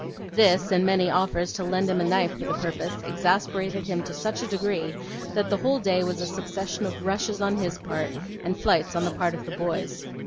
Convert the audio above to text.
This, and many offers to lend him a knife for the purpose, exasperated him to such a degree, that the whole day was a succession of rushes on his part, and flights on the part of the boys.